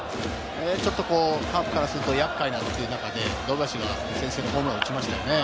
ちょっとカープからすると厄介だという中で、堂林が先制のホームランを打ちましたね。